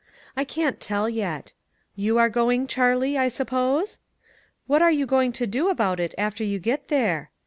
I can't tell yet. You are going, Charlie, I suppose ? What are you going to do about it after you get there?